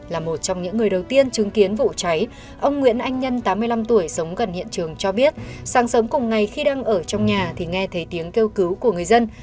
là một trong những người đầu tiên chứng kiến vụ cháy ông nguyễn anh nhân tám mươi năm tuổi sống gần hiện trường cho biết sáng sớm cùng ngày khi đang ở trong nhà thì nghe thấy tiếng kêu cứu của người dân